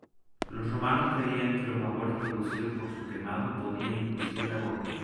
Los romanos creían que los vapores producidos por su quemado podían inducir el aborto.